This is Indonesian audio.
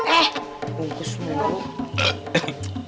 eh bungkus dulu